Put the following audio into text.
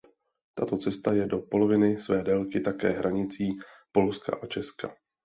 Tato cesta je do poloviny své délky také hranicí Polska a Česka.